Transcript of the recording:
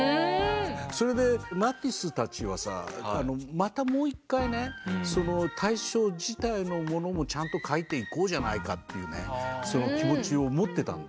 それでマティスたちはさまたもう一回ね対象自体のものもちゃんと描いていこうじゃないかというねその気持ちを持ってたんですね。